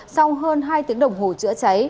sau hơn hai tiếng đồng hồ chữa cháy